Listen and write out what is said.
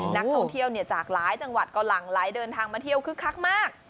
นักท่องเที่ยวจากหลายจังหวัดก็หลั่งไหลเดินทางมาเที่ยวคึกคักมาก